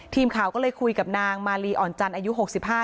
ทีมข่าวก็เลยคุยกับนางมารีอ่อนจันอายุหกสิบห้า